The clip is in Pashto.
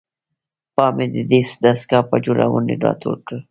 پام مې ددې دستګاه پر جوړونې راټول کړ.